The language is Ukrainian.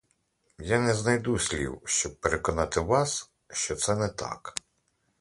Я не знайду слів, щоб переконати вас, що це — не так.